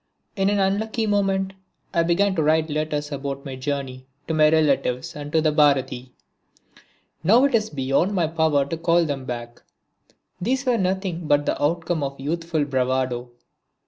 In an unlucky moment I began to write letters about my journey to my relatives and to the Bharati. Now it is beyond my power to call them back. These were nothing but the outcome of youthful bravado.